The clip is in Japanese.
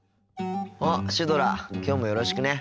あっシュドラきょうもよろしくね。